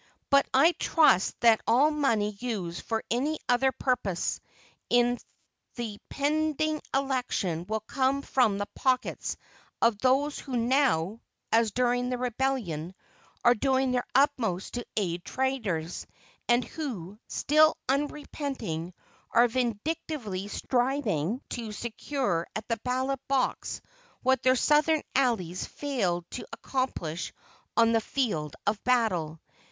But I trust that all money used for any other purpose, in the pending election will come from the pockets of those who now (as during the rebellion) are doing their utmost to aid traitors, and who, still unrepenting, are vindictively striving to secure at the ballot box what their Southern allies failed to accomplish on the field of battle.